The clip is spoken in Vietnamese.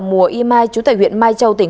mùa y mai chú tại huyện mai châu tỉnh